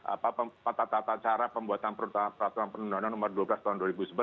apa patatata cara pembuatan peraturan penduduk undang undang nomor dua belas tahun dua ribu sebelas